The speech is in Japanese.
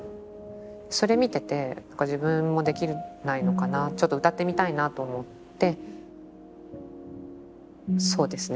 それ見てて自分もできないのかなちょっと歌ってみたいなと思ってそうですね